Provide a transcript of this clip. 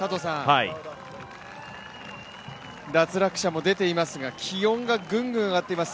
脱落者も出ていますが気温がぐんぐん上がっています。